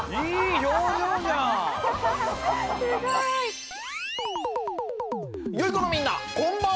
よいこのみんなこんばんは！